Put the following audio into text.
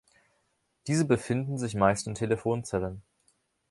Diese befinden sich meist in Telefonzellen.